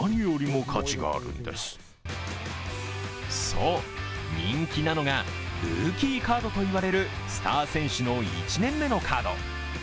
そう、人気なのがルーキーカードといわれるスター選手の１年目のカード。